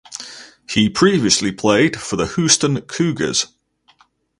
He previously played for the Houston Cougars.